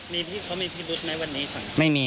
มีพี่เค้ามีพี่รุษไหมวันนี้สังเกตุ